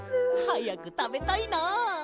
はやくたべたいな。